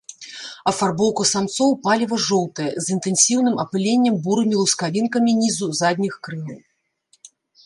Афарбоўка самцоў палева-жоўтая, з інтэнсіўным апыленнем бурымі лускавінкамі нізу задніх крылаў.